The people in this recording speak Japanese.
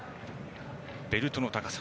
ベルトの高さ。